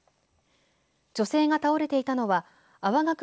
女性が倒れていたのは粟ヶ窪